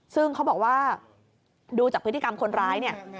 ซึ่งเขาบอกว่าดูจากพฤติกรรมคนร้ายเนี่ย